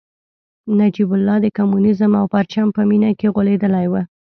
نجیب الله د کمونیزم او پرچم په مینه کې غولېدلی و